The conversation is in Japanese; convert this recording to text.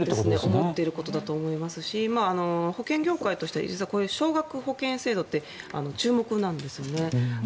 思ってることだと思いますし保険業界として実はこういう少額保険制度って注目なんですよね。